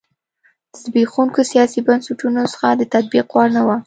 د زبېښونکو سیاسي بنسټونو نسخه د تطبیق وړ نه وه.